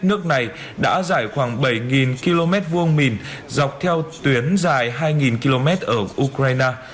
nước này đã dài khoảng bảy km vuông mìn dọc theo tuyến dài hai km ở ukraine